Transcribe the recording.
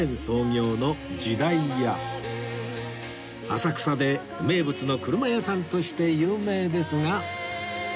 浅草で名物の車屋さんとして有名ですが